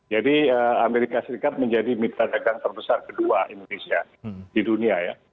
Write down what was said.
jadi amerika serikat menjadi perdagangan terbesar kedua indonesia di dunia ya